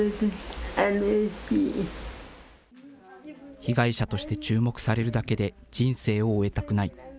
被害者として注目されるだけで人生を終えたくない。